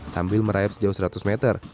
sambil merayap sejauh seratus meter